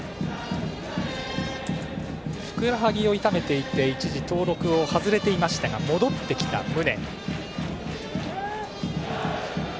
ふくらはぎを痛めていて一時、登録を外れていましたが戻ってきた宗。